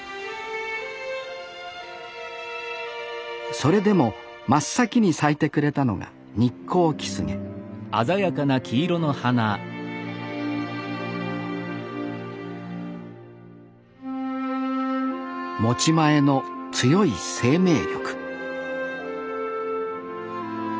それでも真っ先に咲いてくれたのがニッコウキスゲ持ち前の強い生命力